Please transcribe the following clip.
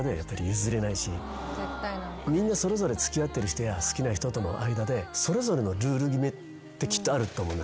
みんな付き合ってる人や好きな人との間でそれぞれのルール決めってきっとあると思うんですよね。